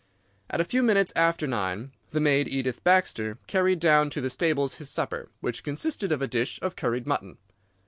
At a few minutes after nine the maid, Edith Baxter, carried down to the stables his supper, which consisted of a dish of curried mutton.